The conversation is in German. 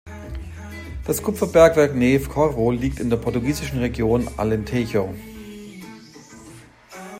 Das Kupferbergwerk Neves-Corvo liegt in der portugiesischen Region Alentejo.